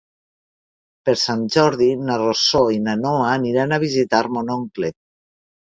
Per Sant Jordi na Rosó i na Noa aniran a visitar mon oncle.